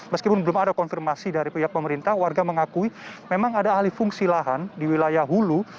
meskipun belum ada konfirmasi dari pihak pemerintah warga mengakui memang ada ahli fungsi lahan di wilayah hulu